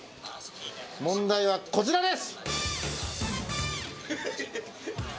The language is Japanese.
問題はこちらです。